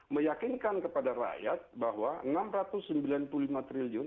meyakinkan kepada rakyat bahwa rp enam ratus sembilan puluh lima triliun